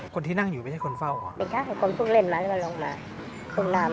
คนที่นั่งอยู่ไม่ใช่คนเฝ้าหรอ